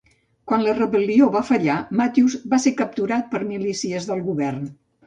Quan la rebel·lió va fallar, Matthews va ser capturat per milícies del govern.